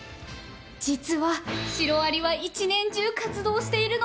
実はシロアリは一年中活動しているの。